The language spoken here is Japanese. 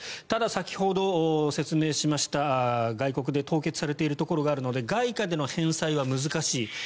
ただ先ほど説明しましたが外国で凍結されているところがあるので外貨での返済は難しい。